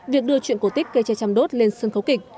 việc đưa chuyện cổ tích cây tre chăm đốt lên sân khấu kịch